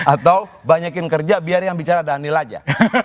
atau banyak yang kerja biar yang bicara daniel aja